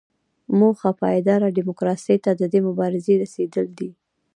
موخه پایداره ډیموکراسۍ ته د دې مبارزې رسیدل دي.